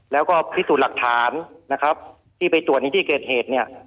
แล้วก็พิสูจน์หลักฐานนะครับที่ไปตรวจในที่เกิดเหตุเนี่ย